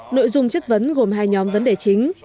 nội dung chất vấn gồm hai nhóm vấn đề chính